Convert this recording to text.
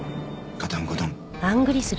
ガタンゴトン。